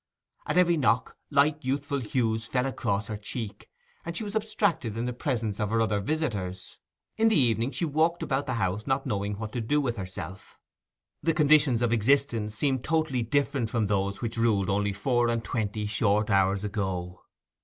At every knock, light youthful hues flew across her cheek; and she was abstracted in the presence of her other visitors. In the evening she walked about the house, not knowing what to do with herself; the conditions of existence seemed totally different from those which ruled only four and twenty short hours ago.